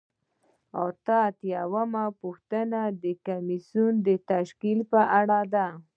اته اتیا یمه پوښتنه د کمیسیون د تشکیل په اړه ده.